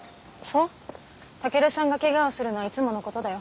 健さんがケガをするのはいつものことだよ。